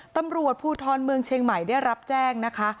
ตำรวจภูทรเมืองเชียงใหม่ได้รับแจ้งนะคะ